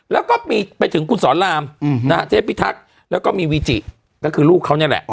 แล้วก็มีไปถึงคุณสอนรามนะฮะเทพิทักษ์แล้วก็มีวีจิก็คือลูกเขานี่แหละ